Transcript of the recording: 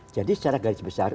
jadi secara garis besar